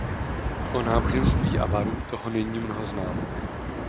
O náboženství Avarů toho není mnoho známo.